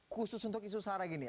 khusus untuk isu sara gini ya